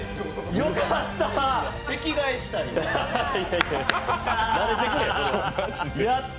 よかった。